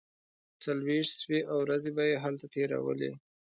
څلوېښت شپې او ورځې به یې هلته تیرولې.